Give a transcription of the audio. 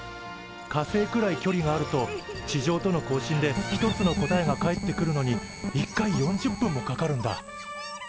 火星くらい距離があると地上との交信で１つの答えが返ってくるのに１回４０分もかかるんだ。